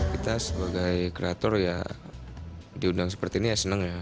kita sebagai kreator ya diundang seperti ini ya senang ya